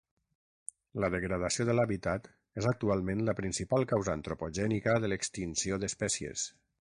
La degradació de l'hàbitat és actualment la principal causa antropogènica de l'extinció d'espècies.